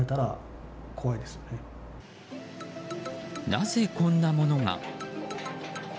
なぜ、こんなものが。